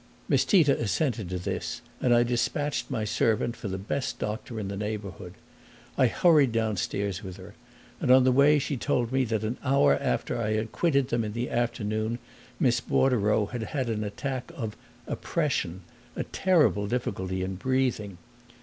Miss Tita assented to this and I dispatched my servant for the best doctor in the neighborhood. I hurried downstairs with her, and on the way she told me that an hour after I quitted them in the afternoon Miss Bordereau had had an attack of "oppression," a terrible difficulty in breathing.